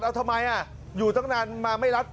เอาทำไมอยู่ตั้งนานมาไม่รับ